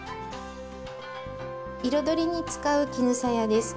彩りに使う絹さやです。